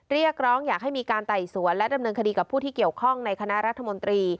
เรียกร้องอยากให้มีการไต่สวนและดำเนินคดีกับผู้ที่เกี่ยวข้องในคณะรัฐมนตรี